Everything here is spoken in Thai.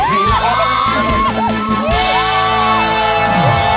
ทีมงาน